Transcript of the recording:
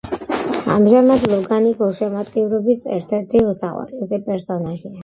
ამჟამად ლოგანი გულშემატკივრების ერთ-ერთი უსაყვარლესი პერსონაჟია.